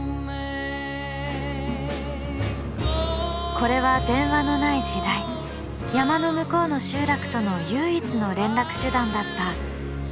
これは電話のない時代山の向こうの集落との唯一の連絡手段だった無線アンテナ。